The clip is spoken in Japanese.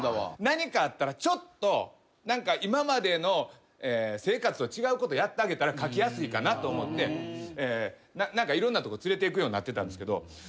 何かあったらちょっと今までの生活と違うことやってあげたら書きやすいかなと思っていろんなとこ連れていくようになってたんですけど。